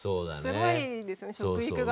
すごいですよね食育が。